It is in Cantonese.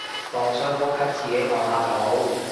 當傷風咳自己漚下就好